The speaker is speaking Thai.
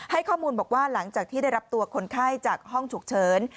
ข้อมูลบอกว่าหลังจากที่ได้รับตัวคนไข้จากห้องฉุกเฉิน